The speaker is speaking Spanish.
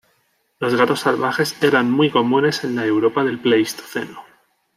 Los gatos salvajes eran muy comunes en la Europa del Pleistoceno.